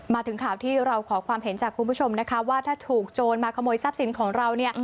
มาถึงข่าวที่เราขอความเห็นจากคุณผู้ชมนะคะว่าถ้าถูกโจรมาขโมยทรัพย์สินของเราเนี่ย